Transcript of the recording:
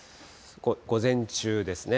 午前中ですね。